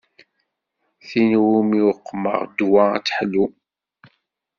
Tin umi uqmeɣ ddwa ad teḥlu.